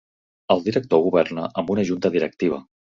El Director governa amb una Junta Directiva.